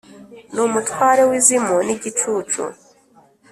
numutware wizimu nigicucu